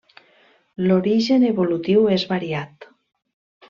L'origen evolutiu és variat.